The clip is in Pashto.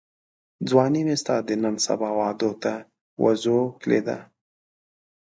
ځواني مي ستا د نن سبا وعدو ته وزوکلېده